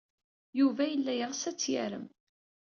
Yuba yella yeɣs ad tt-yarem.